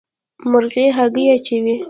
مرغۍ هګۍ اچوي.